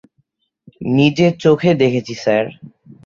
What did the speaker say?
নিজে চোখে দেখেছি স্যার!